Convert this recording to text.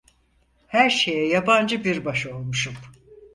Her şeye yabancı bir baş olmuşum.